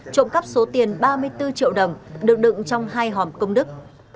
trộm cắp số tiền ba mươi bốn triệu đồng được đựng trong hai hòm công đức